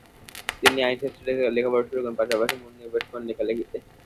তিনি আইনশাস্ত্রে লেখাপড়া শুরু করেন, পাশাপাশি মনোনিবেশ করেন লেখালেখিতে।